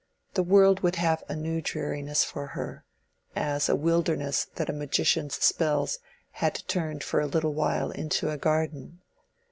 The world would have a new dreariness for her, as a wilderness that a magician's spells had turned for a little while into a garden.